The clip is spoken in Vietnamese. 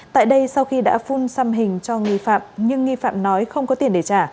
tại đây sau khi đã phun xăm hình cho nghi phạm nhưng nghi phạm nói không có tiền để trả